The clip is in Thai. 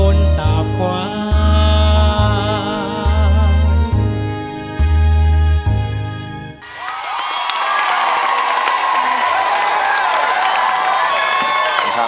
อับเฉาอับเฉาอับเฉา